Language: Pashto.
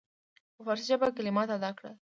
په فارسي ژبه کلمات ادا کړل.